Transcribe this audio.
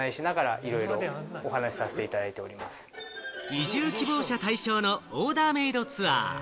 移住希望者対象のオーダーメイドツアー。